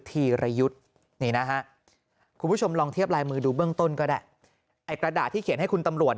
ธีรยุทธ์นี่นะฮะคุณผู้ชมลองเทียบลายมือดูเบื้องต้นก็ได้ไอ้กระดาษที่เขียนให้คุณตำรวจ